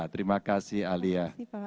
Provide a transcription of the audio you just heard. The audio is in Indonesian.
terima kasih alia